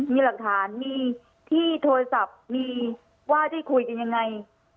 มีหลักฐานมีที่โทรศัพท์มีว่าได้คุยกันยังไง